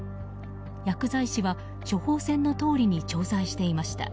薬剤師は処方箋のとおりに調剤していました。